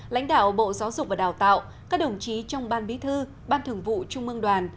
lãnh đạo bộ giáo dục và đào tạo các đồng chí trong ban bí thư ban thường vụ trung mương đoàn